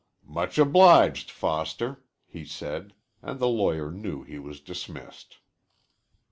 "Much obliged, Foster," he said, and the lawyer knew he was dismissed.